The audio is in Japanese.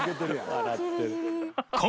笑ってる。